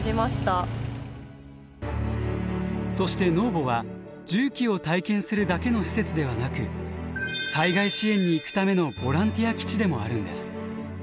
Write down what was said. そしてｎｕｏｖｏは重機を体験するだけの施設ではなく災害支援に行くためのボランティア基地でもあるんです。